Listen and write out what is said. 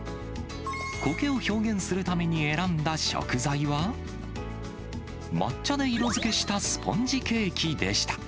こけを表現するために選んだ食材は、抹茶で色づけしたスポンジケーキでした。